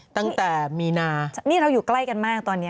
ตั้งแต่มีนานี่เราอยู่ใกล้กันมากตอนนี้